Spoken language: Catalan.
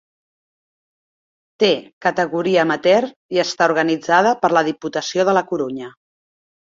Té categoria amateur i està organitzada per la Diputació de la Corunya.